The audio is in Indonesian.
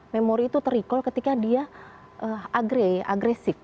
memori itu ter recall ketika dia agresif